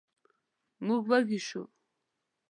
موږ وږي شوو.